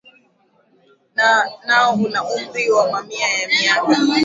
nao una umri wa mamia ya miaka